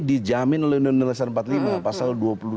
dijamin oleh indonesia empat puluh lima pasal dua puluh delapan